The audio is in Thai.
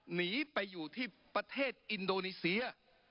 หนีไปอยู่ที่ประเทศอินโดนีเซีย